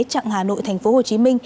chặng hà nội tp hcm